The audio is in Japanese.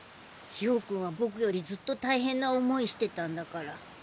葉くんは僕よりずっと大変な思いしてたんだから。